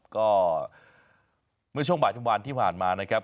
ก็เมื่อช่วงบ่ายทุกวันที่ผ่านมานะครับ